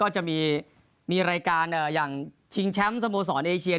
จะมีรายการอย่างชิงแชมป์สโมสรเอเชีย